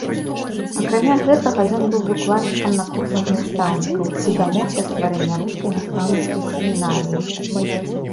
Акрамя гэтага ён быў выкладчыкам на курсах настаўнікаў і дамогся стварэння рускай настаўніцкай семінарыі.